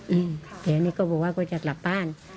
อืมเขาก็บอกว่าก็จะกลับบ้าน